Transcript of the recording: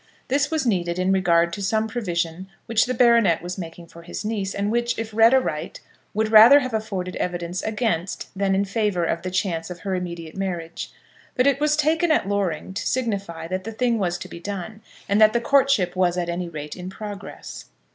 This was needed in regard to some provision which the baronet was making for his niece, and which, if read aright, would rather have afforded evidence against than in favour of the chance of her immediate marriage; but it was taken at Loring to signify that the thing was to be done, and that the courtship was at any rate in progress.